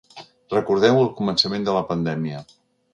Recordeu el començament de la pandèmia.